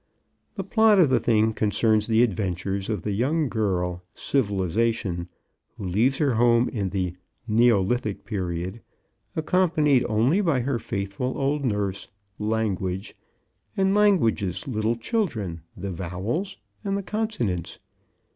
The plot of the thing concerns the adventures of the young girl Civilization who leaves her home in the Neolithic Period accompanied only by her faithful old nurse Language and Language's little children the Vowels and the Consonants.